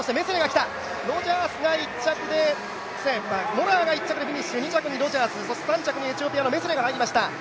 モラアが１着でフィニッシュ、ロジャースが２着そして３着にエチオピアのメセレが入りました。